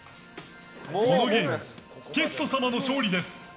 このゲームゲスト様の勝利です！